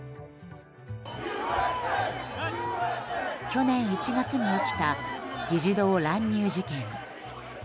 去年１月に起きた議事堂乱入事件。